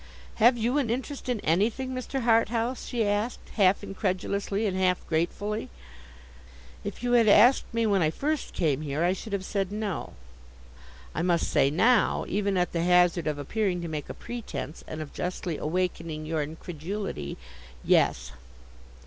'Have you an interest in anything, Mr. Harthouse?' she asked, half incredulously and half gratefully. 'If you had asked me when I first came here, I should have said no. I must say now—even at the hazard of appearing to make a pretence, and of justly awakening your incredulity—yes.